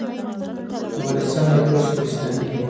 افغانستان يو بشپړ اسلامي هيواد دی.